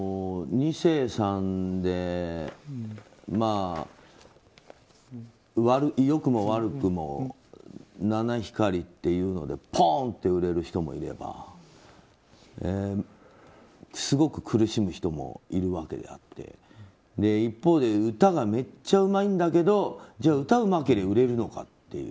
２世さんで良くも悪くも七光りっていうのでポーンと売れる人もいればすごく苦しむ人もいるわけであって一方で歌がめっちゃうまいんだけどじゃあ、歌うまけりゃ売れるのかっていう。